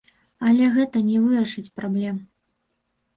Але гэта не вырашыць праблем.